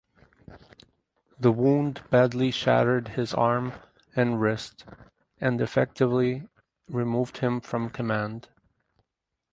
The wound badly shattered his arm and wrist and effectively removed him from command.